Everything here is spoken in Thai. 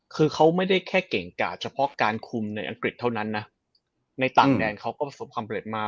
คือเขาไม่ได้แค่เก่งกาดเฉพาะการคุมในอังกฤษเท่านั้นนะในต่างแดนเขาก็ประสบความเร็จมา